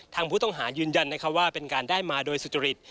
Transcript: ทางผู้ต้องหายืนยันว่าเป็นการได้มาโดยสุจริต